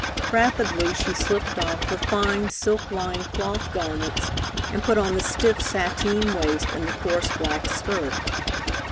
Rapidly she slipped off her fine, silk lined cloth garments, and put on the stiff sateen waist and the coarse black skirt.